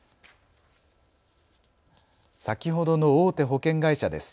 先ほどの大手保険会社です。